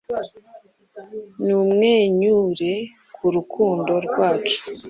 Numwenyure ku rukundo rwacu,